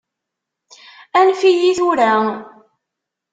Anef-iyi tura!